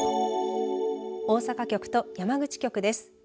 大阪局と山口局です。